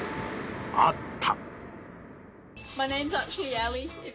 あった！